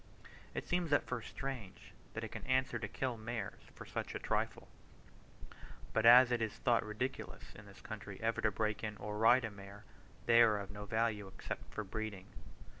It seems at first strange that it can answer to kill mares for such a trifle; but as it is thought ridiculous in this country ever to break in or ride a mare, they are of no value except for breeding.